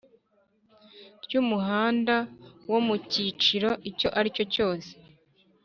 Ry umuhanda wo mu cyiciro icyo ari cyo cyose